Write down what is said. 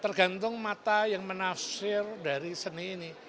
tergantung mata yang menafsir dari seni ini